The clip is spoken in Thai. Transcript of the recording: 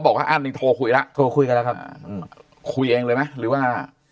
อ้านหนึ่งโทรคุยแล้วโทรคุยกันแล้วครับคุยเองเลยไหมหรือว่า